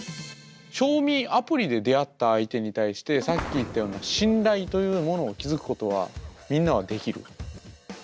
正味アプリで出会った相手に対してさっき言ったような信頼というものを築くことはみんなはできる？